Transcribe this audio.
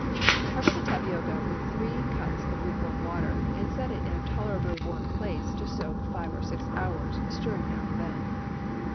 Cover the tapioca with three cups of lukewarm water, and set it in a tolerably warm place to soak five or six hours, stirring now and then.